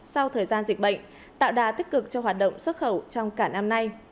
sau thời gian dịch bệnh tạo đà tích cực cho hoạt động xuất khẩu trong cả năm nay